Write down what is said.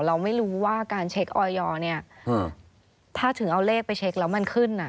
เราไม่รู้ว่าการเช็คออยอร์เนี่ยถ้าถึงเอาเลขไปเช็คแล้วมันขึ้น